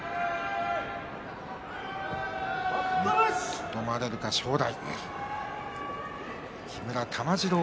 とどまれるか正代。